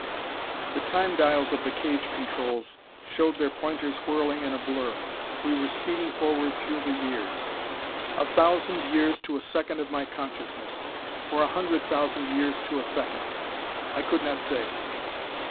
The Time dials of the cage controls showed their pointers whirling in a blur. We were speeding forward through the years a thousand years to a second of my consciousness; or a hundred thousand years to a second: I could not say.